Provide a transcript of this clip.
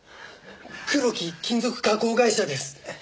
クロキ金属加工会社です。